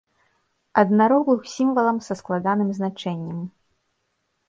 Аднарог быў сімвалам са складаным значэннем.